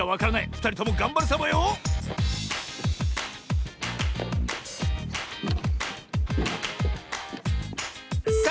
ふたりともがんばるサボよさ